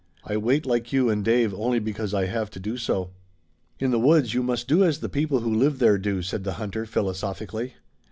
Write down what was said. I wait like you and Dave only because I have to do so." "In the woods you must do as the people who live there do," said the hunter philosophically.